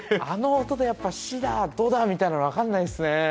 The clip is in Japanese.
あの音でやっぱシだドだみたいなの分かんないっすね。